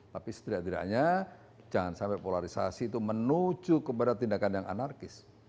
tapi setidak tidaknya jangan sampai polarisasi itu menuju kepada tindakan yang anarkis